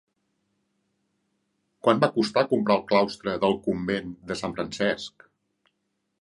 Quant va costar comprar el claustre del Convent de Sant Francesc?